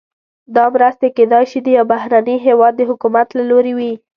دا مرستې کیدای شي د یو بهرني هیواد د حکومت له لوري وي.